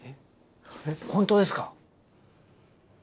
えっ本当ですか？